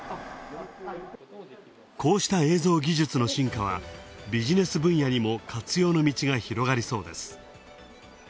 こうした映像技術の進化は、ビジネス分野にも活用の道が広がりそうです。